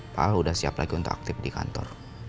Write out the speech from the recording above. pak al sudah siap lagi untuk aktif di kantor